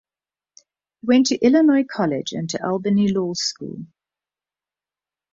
He went to Illinois College and to Albany Law School.